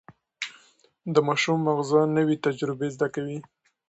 د ماشوم ماغزه نوي تجربې زده کوي.